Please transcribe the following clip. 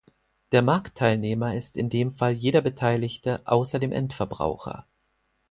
Der Marktteilnehmer ist in dem Fall jeder Beteiligte außer dem Endverbraucher.